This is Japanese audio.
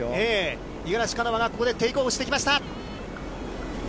五十嵐カノアがここでテイクオフしてきました。